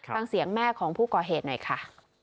ฟังเสียงแม่ของผู้ก่อเหตุหน่อยค่ะ